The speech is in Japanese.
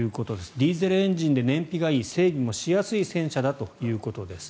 ディーゼルエンジンで燃費がいい整備もしやすい戦車だということです。